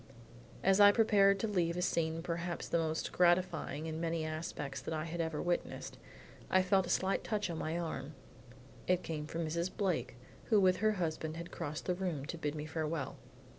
As I prepared to leave a scene perhaps the most gratifying in many respects that I had ever witnessed, I felt a slight touch on my arm. It came from Mrs. Blake who with her husband had crossed the room to bid me farewell.